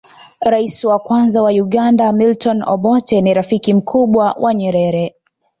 rais wa kwanza wa uganda milton obotte ni rafiki mkubwa wa nyerere